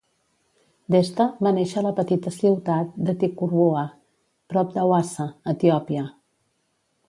Desta va néixer a la petita ciutat de Tiqur Wuha prop d'Awassa, Etiòpia.